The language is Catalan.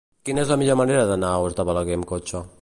Quina és la millor manera d'anar a Os de Balaguer amb cotxe?